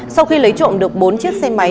sau khi lấy trộm được bốn chiếc xe máy